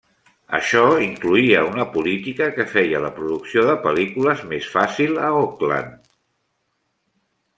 Això incloïa una política que feia la producció de pel·lícules més fàcil a Auckland.